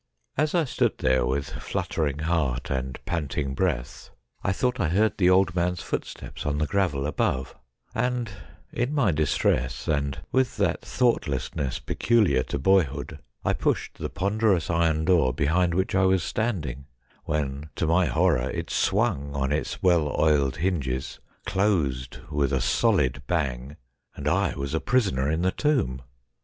As I stood there with fluttering heart and panting breath I A NIGHT WITH THE DEAD 195 thought I heard the old man's footsteps on the gravel above ; and in my distress, and with that thoughtlessness peculi aro boyhood, I pushed the ponderous iron door behind which I was standing, when to my horror it swung on its well oiled hinges, closed with a solid bang, and I was a prisoner in the tomb